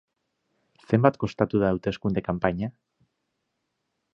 Zenbat kostatu da hauteskunde kanpaina?